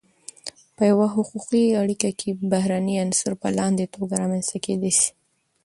په یوه حقوقی اړیکی کی بهرنی عنصر په لاندی توګه رامنځته کیدای سی :